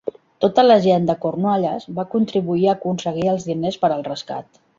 Tota la gent de Cornualles va contribuir a aconseguir els diners per al rescat.